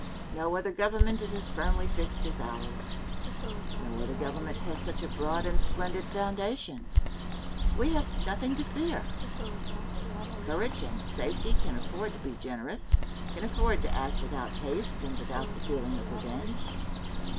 No other government is as firmly fixed as ours. No other government has such a broad and splendid foundation. We have nothing to fear. Courage and safety can afford to be generous can afford to act without haste and without the feeling of revenge.